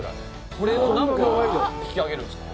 これを何個引き上げるんですか。